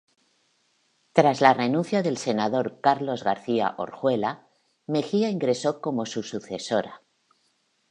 Tras la renuncia del senador Carlos García Orjuela, Mejía ingresó como su sucesora.